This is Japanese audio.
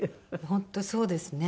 本当そうですね。